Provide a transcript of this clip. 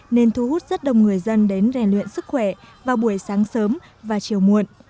nên thu hút rất đông người dân đến rèn luyện sức khỏe vào buổi sáng sớm và chiều muộn